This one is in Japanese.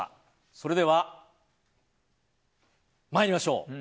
それでは参りましょう。